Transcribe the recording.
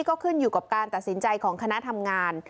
ก็ขึ้นอยู่กับการตัดสินใจของคณะทำงาน